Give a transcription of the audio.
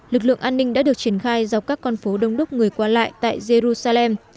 lực lượng an ninh đã được triển khai dọc các con phố đông đúc người qua lại tại jerusalem